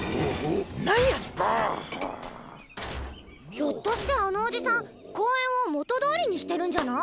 ひょっとしてあのおじさん公園を元どおりにしてるんじゃない？